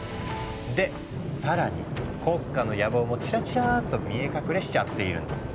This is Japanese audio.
で更に国家の野望もチラチラッと見え隠れしちゃっているの。